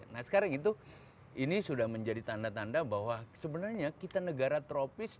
nah sekarang itu ini sudah menjadi tanda tanda bahwa sebenarnya kita negara tropis